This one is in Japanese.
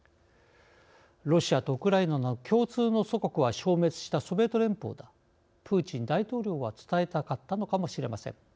ロシアとウクライナの共通の祖国は消滅したソビエト連邦だプーチン大統領は伝えたかったのかもしれません。